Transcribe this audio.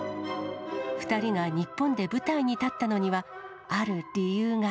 ２人が日本で舞台に立ったのには、ある理由が。